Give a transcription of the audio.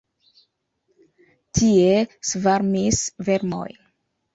Tie svarmis vermoj.